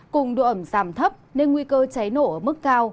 cùng độ ẩm giảm thấp nên nguy cơ cháy nổ ở mức cao